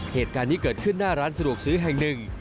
เหตุการณ์นี้เกิดขึ้นหน้าร้านสะดวกซื้อแห่งหนึ่ง